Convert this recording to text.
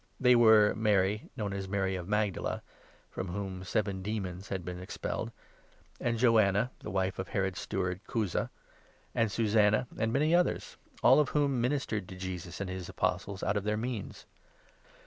They were Mary, known as Mary of Magdala (from whom seven demons had been expelled), and Joanna (the wife of Herod's steward, Chuza), 3 and Susannah, and many others — all of whom ministered to Jesus and his Apostles out of their means.